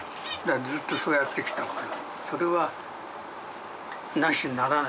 ずっとそうやってきたから。